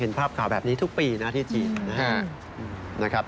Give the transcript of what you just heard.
ภาพข่าวแบบนี้ทุกปีนะที่จีนนะครับ